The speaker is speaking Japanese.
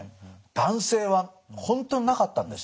男性は本当になかったんです。